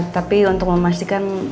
tapi untuk memastikan